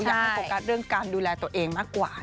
อยากให้โฟกัสเรื่องการดูแลตัวเองมากกว่า